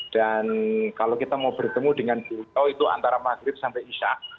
dan kalau kita mau bertemu dengan buya itu antara maghrib sampai isya